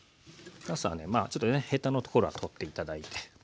なすはねちょっとねヘタのところは取って頂いて。